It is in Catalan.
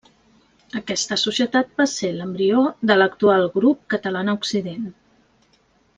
Aquesta societat va ser l'embrió de l'actual Grup Catalana Occident.